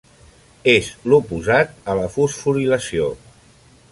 És l'oposat a la fosforilació.